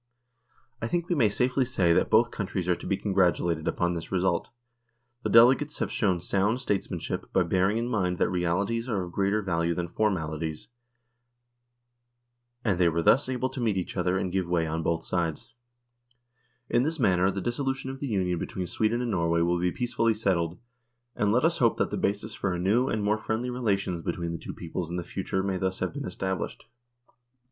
I think we may safely say that both countries are to be congratulated upon this result. The delegates have shown sound statesmanship by bearing in mind that realities are of greater value than formalities, and they were thus able to meet each other and give way on both sides. THE DISSOLUTION OF THE UNION 153 In this manner the dissolution of the Union between Sweden and Norway will be peacefully settled, and let us hope that the basis for a new and more friendly relations between the two peoples in the future may thus have been established.